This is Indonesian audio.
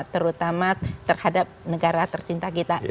terutama terhadap negara tercinta kita